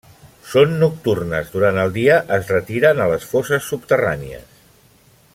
Són nocturnes, durant el dia es retiren a les fosses subterrànies.